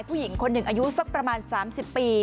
ผู้หญิงคนหนึ่งอายุสักประมาณ๓๐ปี